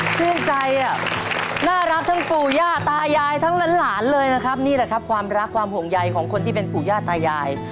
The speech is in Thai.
ชื่นใจอ่ะน่ารักทั้งปู่ย่าตายายทั้งหลานเลยนะครับนี่แหละครับความรักความห่วงใยของคนที่เป็นปู่ย่าตายาย